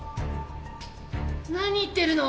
何言ってるの？